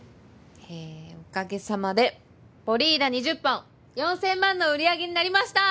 えぇおかげさまでヴォリーダ２０本４，０００万の売り上げになりました。